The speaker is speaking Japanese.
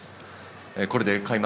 これで開幕